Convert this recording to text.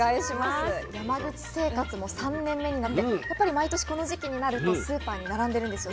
山口生活も３年目になってやっぱり毎年この時期になるとスーパーに並んでるんですよ。